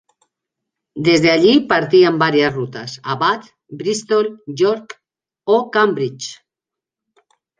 Desde allí partían varias rutas a Bath, Bristol, York o Cambridge.